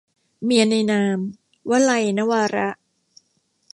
เมียในนาม - วลัย นวาระ